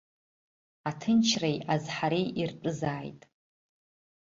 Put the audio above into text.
Аҭынчреи азҳареи иртәызааит!